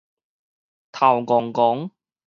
頭楞楞